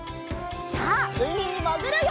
さあうみにもぐるよ！